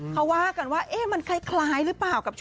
เขาว่ากันว่ามันคล้ายหรือเปล่ากับ